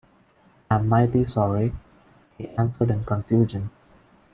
"I'm mighty sorry," he answered in confusion.